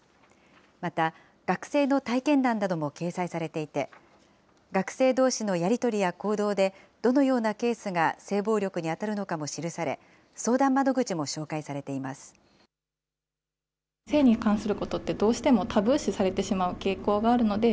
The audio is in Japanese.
また、学生の体験談なども掲載されていて、学生どうしのやり取りや行動で、どのようなケースが性暴力に当たるのかも記され、相談窓口も紹介されています。